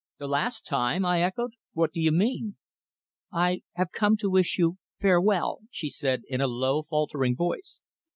"The last time!" I echoed. "What do you mean?" "I have come to wish you farewell," she said in a low, faltering voice.